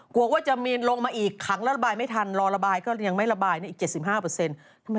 กว่าจะมีลงมาอีกขังแล้วระบายไม่ทันรอระบายก็ยังไม่ระบายอีก๗๕เปอร์เซ็นต์